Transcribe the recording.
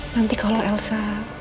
nanti kalau elsa